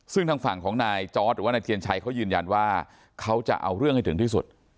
ซึ่งทางฝั่งของนายจอร์ดหรือว่านายเทียนชัยเขายืนยันว่าเขาจะเอาเรื่องให้ถึงที่สุด